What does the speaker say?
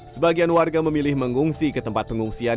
sebagian warga memilih mengungsi ke tempat pengungsian